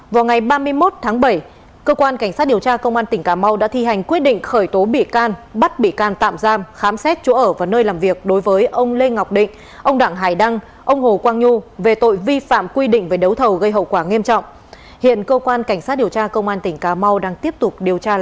vào ngày ba mươi một tháng bảy cơ quan cảnh sát điều tra công an tỉnh cà mau đã thi hành quyết định khởi tố bị can bắt bị can tạm giam khám xét chỗ ở và nơi làm việc đối với ông lê ngọc định ông đặng hải đăng ông hồ quang nhu về tội vi phạm quy định về đấu thầu gây hậu quả nghiêm trọng hiện cơ quan cảnh sát điều tra công an tỉnh cà mau đang tiếp tục điều tra làm rõ